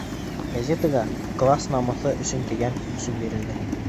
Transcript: Газетаға «Класс намыҫы өсөн!» тигән исем бирелде.